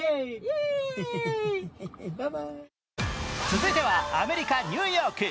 続いてはアメリカ・ニューヨーク。